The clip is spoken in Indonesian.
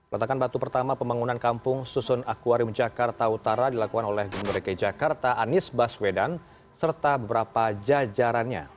letakan batu pertama pembangunan kampung susun akuarium jakarta utara dilakukan oleh gubernur dki jakarta anies baswedan serta beberapa jajarannya